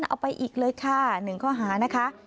เอาไปอีกเลยค่ะ๑ข้อหานะคะ